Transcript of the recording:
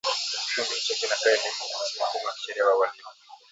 Kikundi hicho kinatoa elimu kuhusu mfumo wa kisheria wa uhalifu